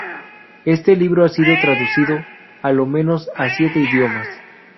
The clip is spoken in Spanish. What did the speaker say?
Este libro ha sido traducido a lo menos a siete idiomas.